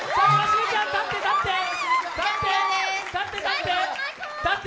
立って、立って。